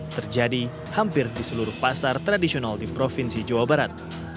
terjadi hampir di seluruh pasar tradisional di provinsi jawa barat